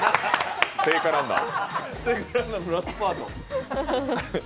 聖火ランナーのラストスパート。